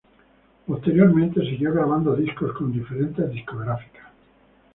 Posteriormente siguió grabando discos con diferentes discográficas.